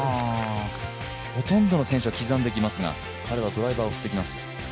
ほとんどの選手は刻んできますが、彼はドライバーを振ってきます。